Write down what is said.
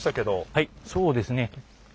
はいそうですね。